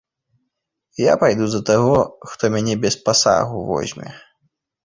Я пайду за таго, хто мяне без пасагу возьме.